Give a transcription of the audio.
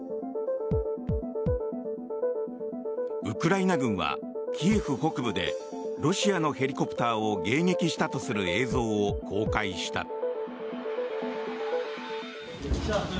ウクライナ軍はキエフ北部でロシアのヘリコプターを迎撃したとする映像を公開した。